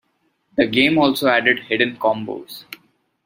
The game also added hidden combos.